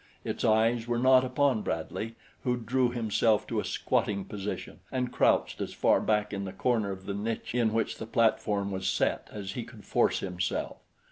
Its eyes were not upon Bradley, who drew himself to a squatting position and crouched as far back in the corner of the niche in which the platform was set as he could force himself.